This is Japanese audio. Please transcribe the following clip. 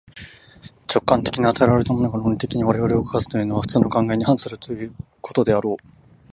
直観的に与えられたものが、論理的に我々を動かすというのは、普通の考えに反することであろう。